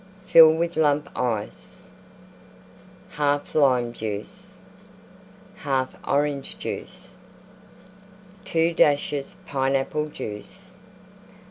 Fill with Lump Ice. 1/2 Lime Juice. 1/2 Orange Juice. 2 dashes Pineapple Juice.